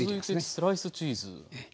それでスライスチーズ。